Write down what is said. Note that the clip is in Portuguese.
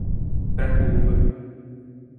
Pracuúba